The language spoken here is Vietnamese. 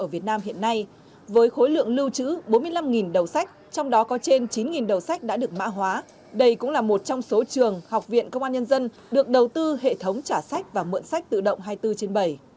việt nam hiện nay với khối lượng lưu trữ bốn mươi năm đầu sách trong đó có trên chín đầu sách đã được mã hóa đây cũng là một trong số trường học viện công an nhân dân được đầu tư hệ thống trả sách và mượn sách tự động hai mươi bốn trên bảy